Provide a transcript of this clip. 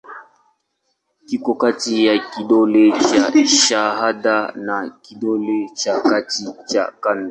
Kiko kati ya kidole cha shahada na kidole cha kati cha kando.